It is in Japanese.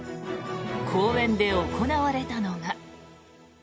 公園で行われたのが。